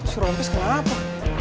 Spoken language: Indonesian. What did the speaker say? si robis kenapa